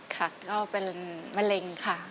ค่ะก็เป็นมะเร็งค่ะ